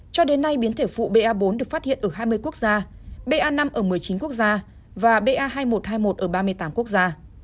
cho đến nay biến thể phụ ba bốn được phát hiện ở hai mươi quốc gia ba năm ở một mươi chín quốc gia và ba hai nghìn một trăm hai mươi một ở ba mươi tám quốc gia